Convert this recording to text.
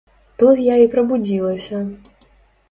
Тут я і прабудзілася.